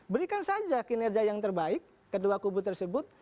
berikan saja kinerja yang terbaik ke dua kubu tersebut